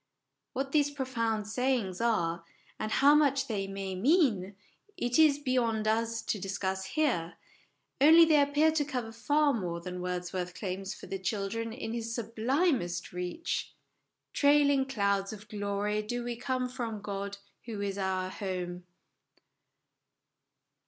What these profound sayings are, and how much they may mean, it is beyond us to discuss here ; only they appear to cover far more than Wordsworth claims for the children in his sublimest reach " Trailing clouds of glory do we come From God, who is our home."